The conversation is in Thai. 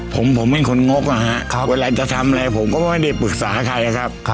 ผมเป็นคนงกอะฮะเวลาจะทำอะไรผมก็ไม่ได้ปรึกษาใครนะครับ